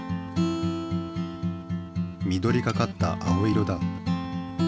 緑がかった青色だ。